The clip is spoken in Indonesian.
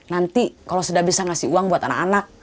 nanti kalau sudah bisa ngasih uang buat anak anak